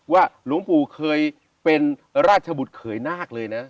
หลวงปู่เคยเป็นราชบุตรเขยนาคเลยนะ